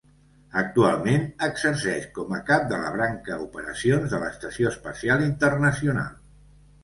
Actualment exerceix com a cap de la branca operacions de l'Estació Espacial Internacional.